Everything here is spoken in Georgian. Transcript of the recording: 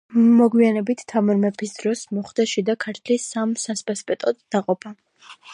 მოგვიანებით, თამარ მეფის დროს მოხდა შიდა ქართლის სამ სასპასპეტოდ დაყოფა.